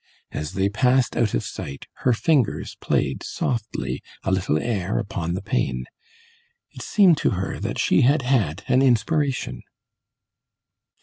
As they passed out of sight her fingers played, softly, a little air upon the pane; it seemed to her that she had had an inspiration.